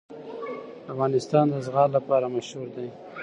افغانستان د زغال لپاره مشهور دی.